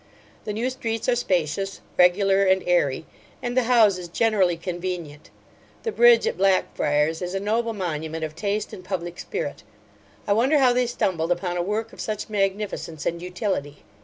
The new streets are spacious, regular, and airy; and the houses generally convenient. The bridge at Blackfriars is a noble monument of taste and public spirit. I wonder how they stumbled upon a work of such magnificence and utility.